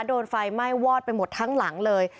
โดนไฟไหม้วอดไปหมดทั้งหลังเลย